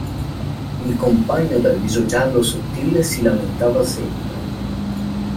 Il compagno dal viso giallo sottile si lamentava sempre.